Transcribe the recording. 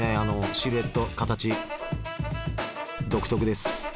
シルエット形独特です。